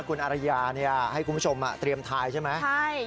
คุณอารยาให้คุณผู้ชมเตรียมทายใช่ไหม